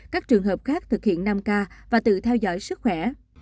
các trường hợp khác thực hiện năm k và tự theo dõi sức khỏe